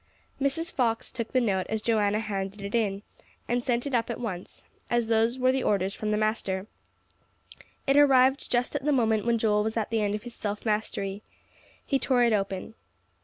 Mrs. Fox took the note as Joanna handed it in, and sent it up at once, as those were the orders from the master. It arrived just at the moment when Joel was at the end of his self mastery. He tore it open.